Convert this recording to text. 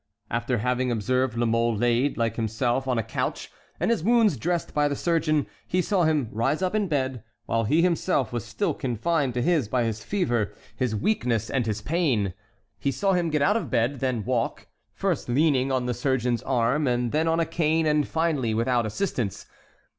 After having observed La Mole laid, like himself, on a couch, and his wounds dressed by the surgeon, he saw him rise up in bed, while he himself was still confined to his by his fever, his weakness, and his pain; he saw him get out of bed, then walk, first leaning on the surgeon's arm, and then on a cane, and finally without assistance.